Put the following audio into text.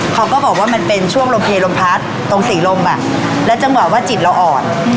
เขาก็บอกว่ามันเป็นช่วงลมเพลลมพัดตรงสีลมและจังหวะว่าจิตเราอ่อน